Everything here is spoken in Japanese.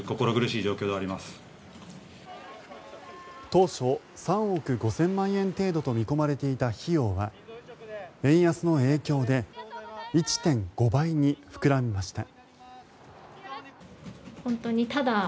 当初３億５０００万円程度と見込まれていた費用は円安の影響で１．５倍に膨らみました。